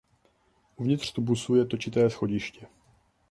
Uvnitř tubusu je točité schodiště.